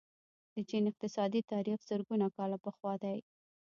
د چین اقتصادي تاریخ زرګونه کاله پخوانی دی.